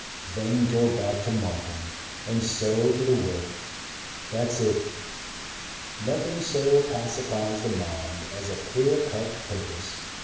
Then go back to Martin. And so to the work. That's it...." Nothing so pacifies the mind as a clear cut purpose.